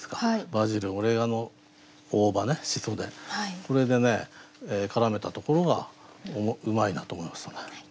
「バジル」「オレガノ」「大葉」ね「紫蘇」でこれでね絡めたところがうまいなと思いましたね。